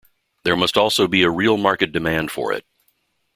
There must also be a real market demand for it.